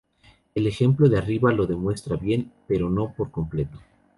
El ejemplo de arriba lo demuestra bien, pero no por completo.